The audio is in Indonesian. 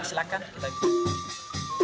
masa ini kita bisa jalan jalan keliling desa sade